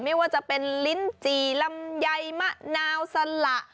ไม่ว่าจะเป็นลิ้นจี่ลำไยมะนาวสละ